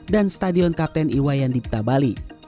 dan stadion kapten iwayan dipta bali